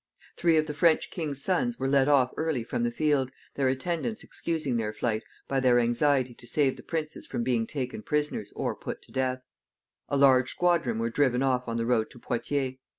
Three of the French king's sons were led off early from the field, their attendants excusing their flight by their anxiety to save the princes from being taken prisoners or put to death. A large squadron were driven off on the road to Poictiers.